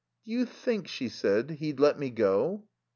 "Do you think," she said, "he'd let me go?"